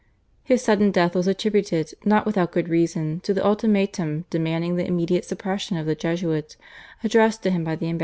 His sudden death was attributed not without good reason to the ultimatum, demanding the immediate suppression of the Jesuits, addressed to him by the ambassadors of France, Spain, and Naples.